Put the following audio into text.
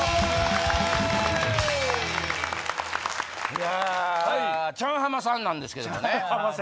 いやチャン浜さんなんですけどもね。